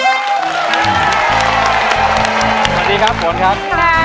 สวัสดีครับฝนครับ